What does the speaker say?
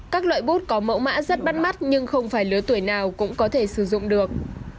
các loại bút có mẫu mã rất bắt mắt nhưng không phải lứa tuổi nào cũng có thể sử dụng được